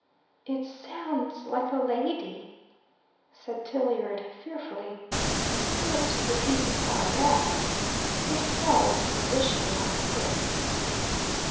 "It sounds like a lady," said Tilliard fearfully. He slipped the piece of pie back. It fell into position like a brick.